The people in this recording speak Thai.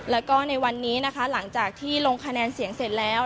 แล้วก็ในวันนี้นะคะหลังจากที่ลงคะแนนเสียงเสร็จแล้ว